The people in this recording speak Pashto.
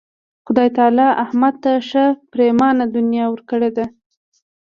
خدای تعالی احمد ته ښه پرېمانه دنیا ورکړې ده.